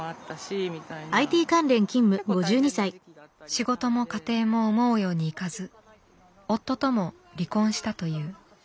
仕事も家庭も思うようにいかず夫とも離婚したという。